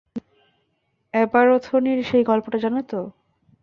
অ্যাবারথোনির সেই গল্পোটা জানো তো?